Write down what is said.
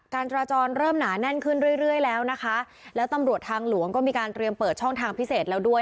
การจราจรเริ่มหนาแน่นขึ้นเรื่อยเรื่อยแล้วนะคะแล้วตำรวจทางหลวงก็มีการเตรียมเปิดช่องทางพิเศษแล้วด้วย